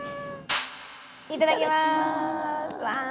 いただきまーす。